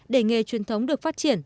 để nghề truyền thống được phát triển